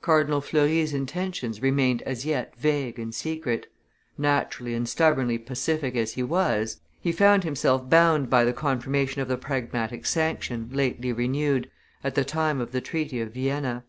Cardinal Fleury s intentions remained as yet vague and secret. Naturally and stubbornly pacific as he was, he felt himself bound by the confirmation of the Pragmatic Sanction, lately renewed, at the time of the treaty of Vienna.